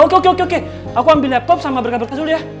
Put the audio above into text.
oke oke oke aku ambil laptop sama berkabar kasus dulu ya